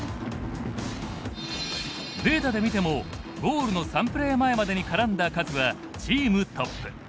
データで見てもゴールの３プレー前までに絡んだ数はチームトップ。